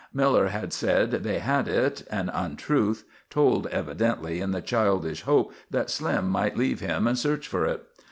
Miller had said they had it, an untruth, told evidently in the childish hope that Slim might leave him and search for it.